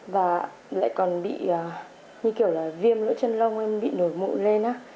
và lại còn bị như kiểu là viêm lỗ chân lông em bị nổi mụn lên á